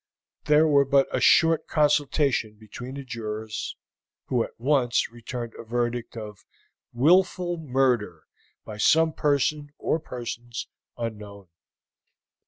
There was but a short consultation between the jurors, who at once returned a verdict of "Willful murder by some person or persons unknown."